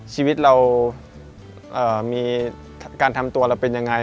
ชีวิตเรามีการทำตัวเราเป็นยังไง